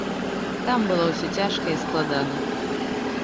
Там было ўсё цяжка і складана.